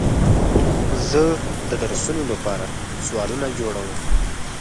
زه د درسونو لپاره سوالونه جوړوم.